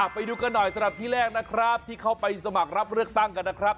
ไปดูกันหน่อยสำหรับที่แรกนะครับที่เขาไปสมัครรับเลือกตั้งกันนะครับ